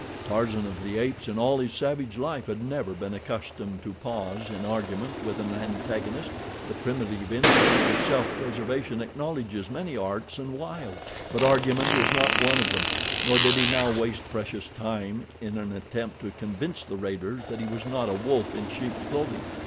Tarzan of the Apes in all his savage life had never been accustomed to pause in argument with an antagonist. The primitive instinct of self preservation acknowledges many arts and wiles; but argument is not one of them, nor did he now waste precious time in an attempt to convince the raiders that he was not a wolf in sheep's clothing.